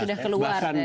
sudah keluar dari